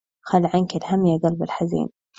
خل عنك الهم يا قلب الحزين